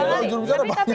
oh jujur bicara banyak